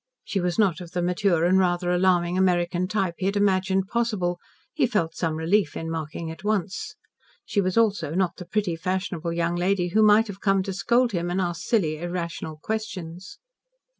She was not of the mature and rather alarming American type he had imagined possible, he felt some relief in marking at once. She was also not the pretty, fashionable young lady who might have come to scold him, and ask silly, irrational questions.